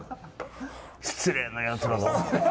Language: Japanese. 失礼なやつらが。